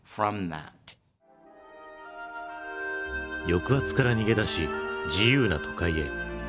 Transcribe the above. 抑圧から逃げ出し自由な都会へ。